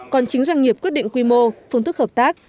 còn chính doanh nghiệp quyết định quy mô phương thức hợp tác